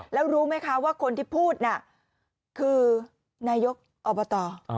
แล้วรู้ไหมคะว่าคนที่พูดน่ะคือนายกอบต